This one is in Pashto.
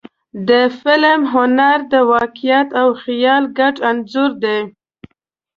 د فلم هنر د واقعیت او خیال ګډ انځور دی.